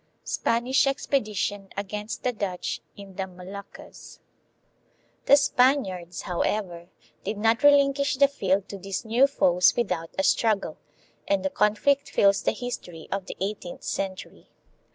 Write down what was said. Spanish Expedition against the Dutch in the Moluccas. The Spaniards, however, did not relinquish the field to these new foes without a struggle, and the conflict fills the history of the eighteenth century.